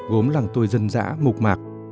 gốm làng tôi dân dã mục mạc